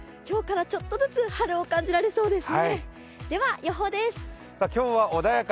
今日からちょっとずつ春を感じられそうですね。